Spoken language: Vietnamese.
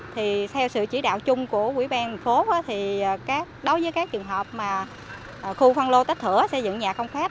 thì theo sự chỉ đạo chung của quỹ ban thành phố thì đối với các trường hợp mà khu phân lô tách thửa xây dựng nhà không phép